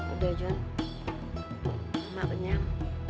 udah jon mak bernyam